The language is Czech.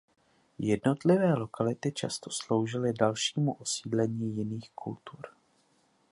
Jednotlivé lokality často sloužily dalšímu osídlení jiných kultur.